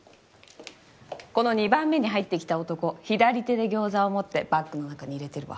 この２番目に入ってきた男左手で餃子を持ってバッグの中に入れてるわ。